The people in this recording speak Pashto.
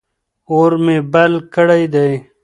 اور مې بل کړی دی.